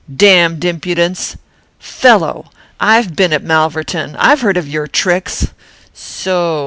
Damned impudence! Fellow! I've been at Malverton. I've heard of your tricks. So!